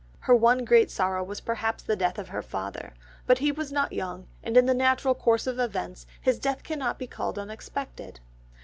Her one great sorrow was perhaps the death of her father, but he was not young, and in the natural course of events his death cannot be called unexpected.